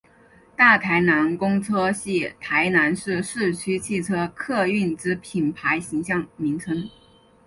大台南公车系台南市市区汽车客运之品牌形象名称。